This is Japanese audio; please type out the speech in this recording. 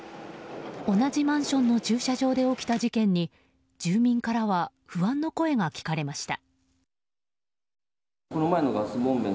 同じマンションの駐車場で起きた事件に住民からは不安の声が聞かれました。